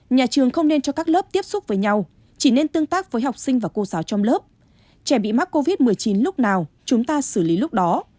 nhà trường không nên cho các lớp tiếp xúc với nhau chỉ nên tương tác với học sinh và cô giáo trong lớp trẻ bị mắc covid một mươi chín lúc nào chúng ta xử lý lúc đó